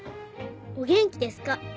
「お元気ですか」